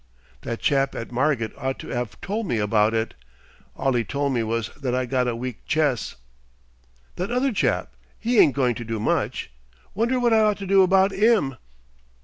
"That chap at Margit ought to 'ave tole me about it. All 'e tole me was that I got a weak chess. "That other chap, 'e ain't going to do much. Wonder what I ought to do about 'im?"